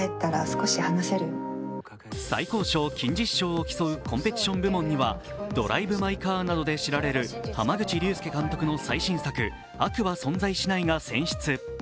最高賞金獅子賞を競うコンペティション部門には「ドライブ・マイ・カー」などで知られる濱口竜介監督の最新作、「悪は存在しない」が選出。